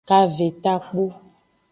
Kave takpu.